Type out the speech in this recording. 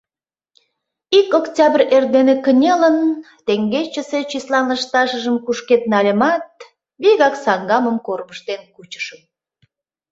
Ик октябрь эрдене кынелын, теҥгечысе числан лышташыжым кушкед нальымат, вигак саҥгамым кормыжтен кучышым.